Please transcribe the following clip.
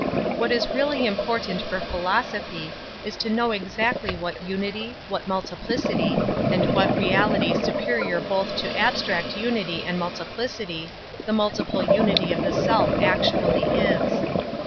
Whi is really important for philosophy is tori know exactly what unity, what multiplicity, and what reality superior both to abstract unity and multiplicity the multiple unity of the self actually is.